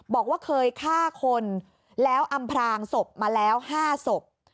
บอกว่าเคยฆ่าคนแล้วอำพลางศพมาแล้ว๕ศพ